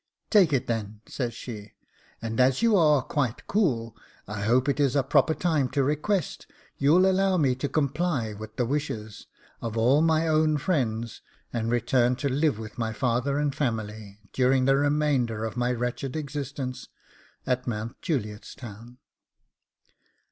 'Take it then,' says she; 'and as you are quite cool, I hope it is a proper time to request you'll allow me to comply with the wishes of all my own friends, and return to live with my father and family, during the remainder of my wretched existence, at Mount Juliet's Town.